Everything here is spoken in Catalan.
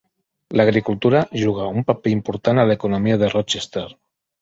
L'agricultura juga un paper important a l'economia de Rochester.